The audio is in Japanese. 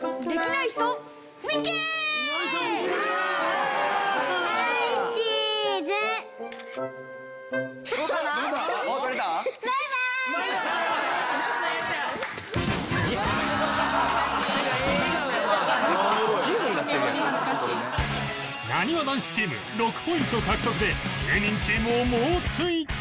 なにわ男子チーム６ポイント獲得で芸人チームを猛追